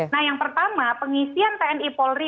nah yang pertama pengisian tni polri